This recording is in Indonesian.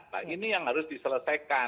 nah ini yang harus diselesaikan